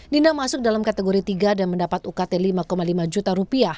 dina masuk dalam kategori tiga dan mendapat ukt rp lima lima juta